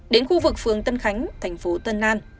đến khu vực phường tân khánh thành phố tân an